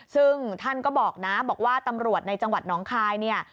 ซึ่งท่านก็บอกนะบอกว่าตำรวจในจังหวัดน้องคายเนี่ย